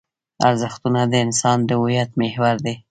ارزښتونه د انسان د هویت محور دي.